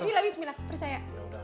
bismillah bismillah percaya